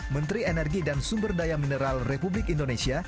menteri energi dan sumber daya mineral republik indonesia